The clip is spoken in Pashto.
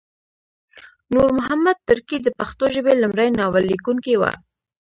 نور محمد ترکی د پښتو ژبې لمړی ناول لیکونکی وه